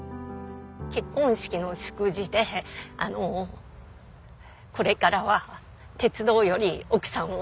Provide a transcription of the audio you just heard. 結婚式の祝辞であの「これからは鉄道より奥さんを愛してください」って。